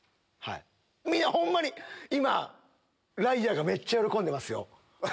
みんなホンマに今ライアーが喜んでますよ。